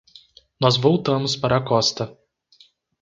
Nós voltamos para a costa.